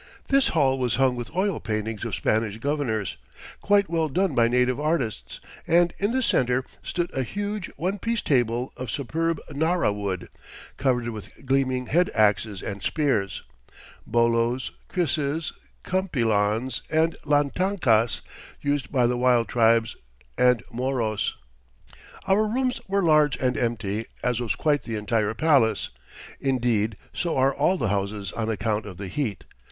This hall was hung with oil paintings of Spanish governors, quite well done by native artists, and in the center stood a huge one piece table of superb nara wood, covered with gleaming head axes and spears, bolos, krisses, campilans, and lantankas, used by the wild tribes and Moros. Our rooms were large and empty, as was the entire palace indeed, so are all the houses on account of the heat.